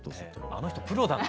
あの人プロだな。